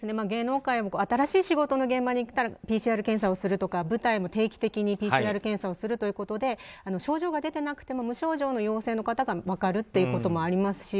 芸能界新しい仕事の現場に行ったらＰＣＲ検査をするとか舞台も定期的にＰＣＲ検査をするので症状が出ていなくても無症状の陽性者の方が分かるということもあります